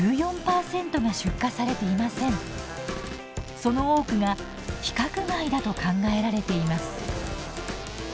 その多くが規格外だと考えられています。